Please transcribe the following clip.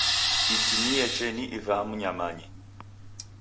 Iti ni yecheni ivaa mnyamanyi.